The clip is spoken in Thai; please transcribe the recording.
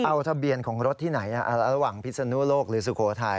เอาทะเบียนของรถที่ไหนระหว่างพิศนุโลกหรือสุโขทัย